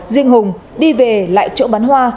riêng hùng đi về lại chỗ bán hoa